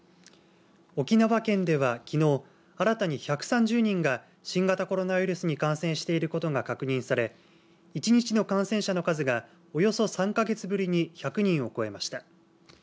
沖縄県ではきのう新たに１３０人が新型コロナウイルスに感染していることが確認され１日の感染者の数がおよそ３か月ぶりに１００人を超えました。